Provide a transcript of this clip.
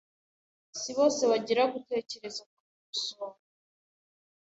Si bose bagira gutekereza kwikosora?